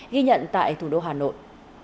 ghi nhận tại thủ đô hà nội